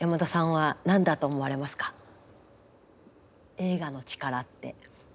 映画の力って。